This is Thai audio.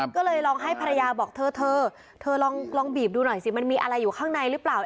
ก็เลยลองให้ภรรยาบอกเธอเธอลองบีบดูหน่อยสิมันมีอะไรอยู่ข้างในหรือเปล่า